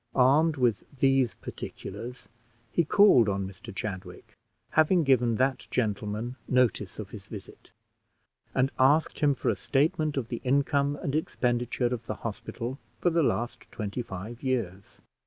Armed with these particulars, he called on Mr Chadwick, having given that gentleman notice of his visit; and asked him for a statement of the income and expenditure of the hospital for the last twenty five years.